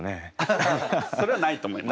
それはないと思います。